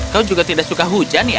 kau juga tidak suka hujan ya